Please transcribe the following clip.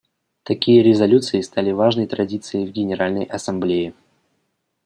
Такие резолюции стали важной традицией в Генеральной Ассамблее.